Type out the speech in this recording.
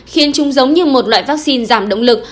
khiến chúng giống như một loại vaccine giảm động lực